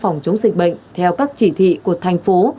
phòng chống dịch bệnh theo các chỉ thị của thành phố